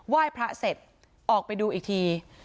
ยพระเสร็จออกไปดูอีกที